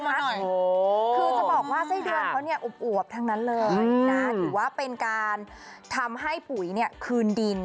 คือจะบอกว่าไส้เดือนเขาเนี่ยอวบทั้งนั้นเลยนะถือว่าเป็นการทำให้ปุ๋ยเนี่ยคืนดิน